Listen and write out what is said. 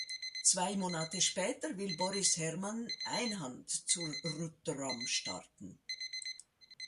Zwei Monate später will Boris Hermann einhand zur Route du Rhum starten.